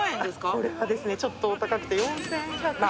これはですねちょっとお高くて４，１０４円。